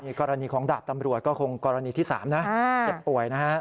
กรณีของดาบตำรวจก็คงกรณีที่๓นะเจ็บป่วยนะฮะ